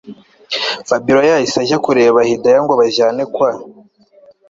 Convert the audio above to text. Fabiora yahise ajya kureba hidaya ngo bajyane kwa